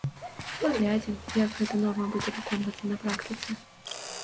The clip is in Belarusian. Паглядзім, як гэта норма будзе выконвацца на практыцы.